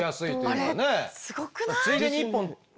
あれすごくない？